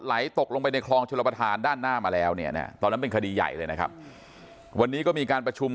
ไหลตกลงไปในคลองชลประธานด้านหน้ามาแล้วเนี่ยนะตอนนั้นเป็นคดีใหญ่เลยนะครับวันนี้ก็มีการประชุม